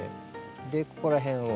でここら辺を。